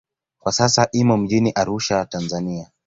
Kwa sasa imo mjini Arusha, Tanzania.